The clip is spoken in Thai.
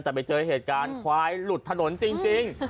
แต่ไปเจอเหตุการณ์ควายหลุดถนนจริง